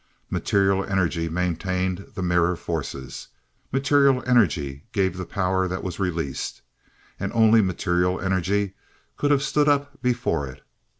Material energy maintained the mirror forces. Material energy gave the power that was released. And only material energy could have stood up before it.